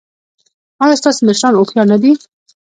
ایا ستاسو مشران هوښیار نه دي؟